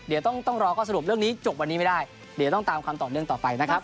เดี๋ยวต้องรอข้อสรุปเรื่องนี้จบวันนี้ไม่ได้เดี๋ยวต้องตามความต่อเนื่องต่อไปนะครับ